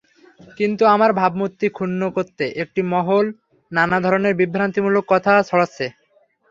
কিন্তু আমার ভাবমূর্তি ক্ষুণ্ন করতে একটি মহল নানা ধরনের বিভ্রান্তিমূলক কথা ছড়াচ্ছে।